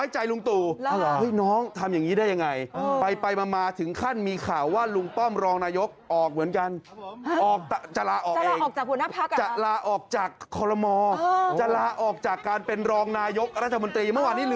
จนสุดท้ายแล้ว